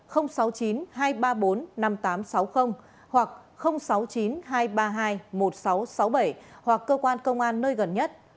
hoặc sáu mươi chín hai trăm ba mươi hai một nghìn sáu trăm sáu mươi bảy hoặc cơ quan công an nơi gần nhất